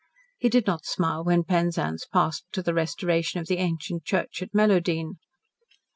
He did not smile when Penzance passed to the restoration of the ancient church at Mellowdene.